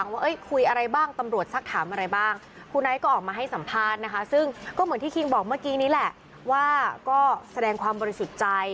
นี่แหละว่าก็แสดงความบริสุทธิ์ใจ